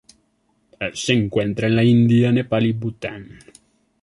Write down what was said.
Se encuentra en la India, Nepal y Bután.